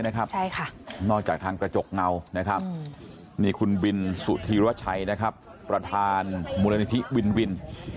นอกจากทางกระจกเงาคุณวินสุธีระวัตชัยประธานมูลนิธิวินวิน